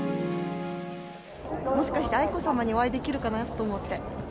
もしかして愛子さまにお会いできるかなと思って。